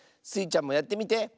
スイちゃんもやってみて。